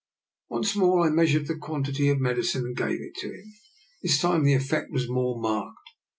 Once more I measured the quantity of medicine and gave it to him. This time the effect was more marked.